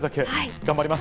頑張ります。